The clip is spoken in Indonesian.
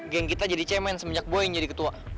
gang kita jadi ceismen semenjak boy ketua